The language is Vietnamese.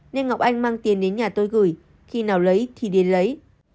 nên ngọc anh mang tiền đến nhà tôi gửi khi nào lấy thì đến lấy